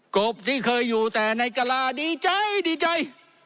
บที่เคยอยู่แต่ในกะลาดีใจดีใจ